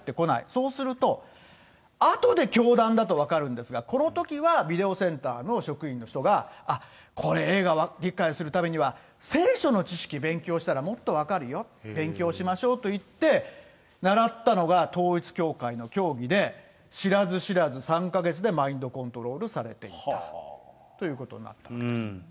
そうすると、あとで教団だと分かるんですが、このときはビデオセンターの職員の人が、あっ、これ映画、理解するためには聖書の知識勉強したら、もっと分かるよ、勉強しましょうといって、習ったのが統一教会の教義で、知らず知らず、３か月でマインドコントロールされていたということになっているんです。